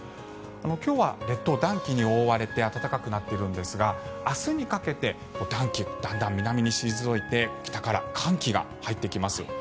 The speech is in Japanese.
今日は列島、暖気に覆われて暖かくなっているんですが明日にかけて暖気がだんだん南に退いて北から寒気が入ってきます。